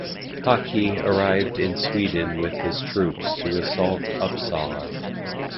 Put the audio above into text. Haki arrived in Sweden with his troops to assault Uppsala.